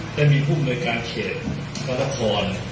ได้มีภูมิในการเขียนมหานคร